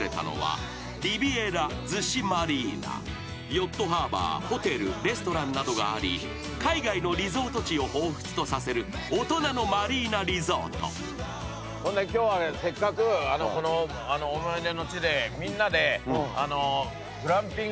［ヨットハーバーホテルレストランなどがあり海外のリゾート地を彷彿とさせる大人のマリーナリゾート］今日はせっかくこの思い出の地でみんなでグランピングをしたいなと思って。